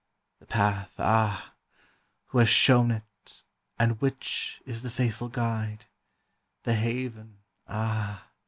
The path, ah! who has shown it, and which is the faithful guide? The haven, ah!